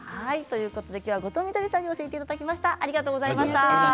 今日は後藤みどりさんに教えていただきました。